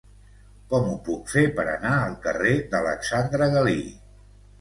Com ho puc fer per anar al carrer d'Alexandre Galí?